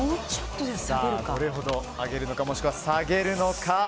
どれほど上げるのかもしくは下げるのか。